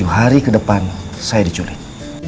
tujuh hari ke depan saya diculik